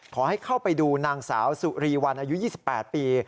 ขอให้เข้าไปดูนางสาวสุรีวันอายุ๒๘ปี